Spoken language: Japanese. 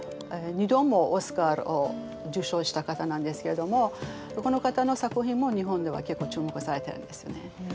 ２度もオスカーを受賞した方なんですけれどもこの方の作品も日本では結構注目されてるんですね。